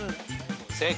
正解。